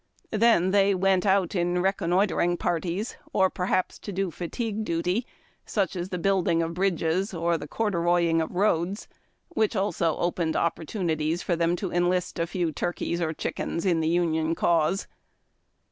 Then, they went out in reconnoitring parties, or, perhaps, to do fatigue duty, such as the building of bridges, or the corduroying of roads, which also opened opportuni ties for them to enlist a few turkeys or chickens in the Union cause.